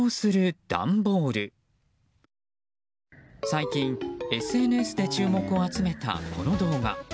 最近、ＳＮＳで注目を集めたこの動画。